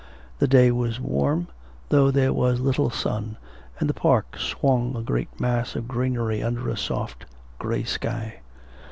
The day was warm, though there was little sun, and the park swung a great mass of greenery under a soft, grey sky.